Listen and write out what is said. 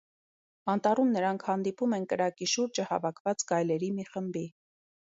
Անտառում նրանք հանդիպում են կրակի շուրջը հավաքված գայլերի մի խմբի։